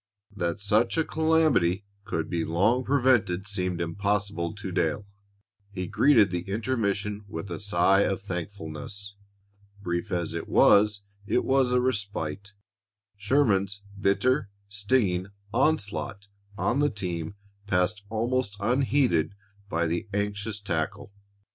That such a calamity could be long prevented seemed impossible to Dale. He greeted the intermission with a sigh of thankfulness. Brief as it was, it was a respite. Sherman's bitter, stinging onslaught on the team passed almost unheeded by the anxious tackle.